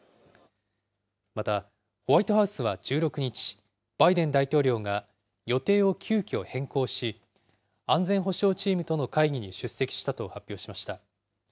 また、ホワイトハウスは１６日、バイデン大統領が予定を急きょ変更し、安全保障チームとの会議に出席したと発表しました。